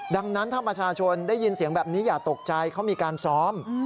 ดังนั้นถ้าประชาชนได้ยินเสียงแบบนี้อย่าตกใจเขามีการซ้อม